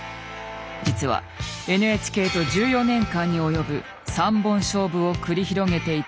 実はＮＨＫと１４年間に及ぶ３本勝負を繰り広げていたのだ。